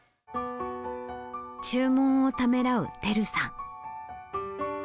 注文をためらうてるさん。